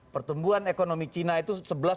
pertumbuhan ekonomi china itu